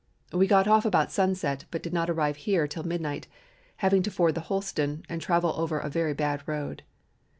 We got off about sunset, but did not arrive here till midnight, having to ford the Holston and travel over a very bad road.